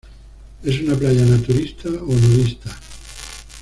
Es una playa naturista o nudista.